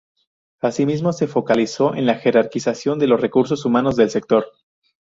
Asimismo, se focalizó en la jerarquización de los recursos humanos del sector.